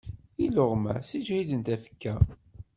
Iluɣma ssiǧhiden tafekka.